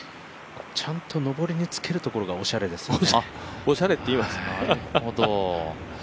ちゃんと上りにつけるところがおしゃれですよね。